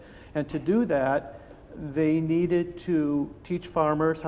dan untuk melakukan itu mereka perlu mengajar para pekerja